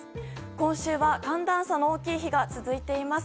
今週は寒暖差の大きい日が続いています。